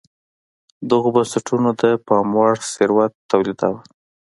دغو بنسټونو د پاموړ ثروت تولیداوه.